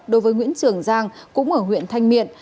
đối với nguyễn trường giang cũng ở huyện thanh miện